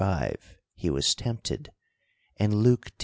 35, he was tempted ; and Luke X.